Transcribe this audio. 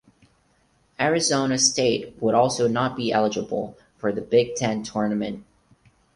Arizona State would also not be eligible for the Big Ten Tournament.